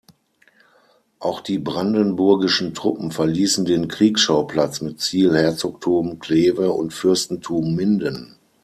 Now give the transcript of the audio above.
Auch die brandenburgischen Truppen verließen den Kriegsschauplatz mit Ziel Herzogtum Kleve und Fürstentum Minden.